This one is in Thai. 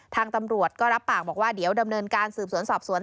ทางตำรวจก็รับปากบอกว่าเดี๋ยวดำเนินการสืบสวนสอบสวน